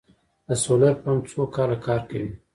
د سولر پمپ څو کاله کار کوي؟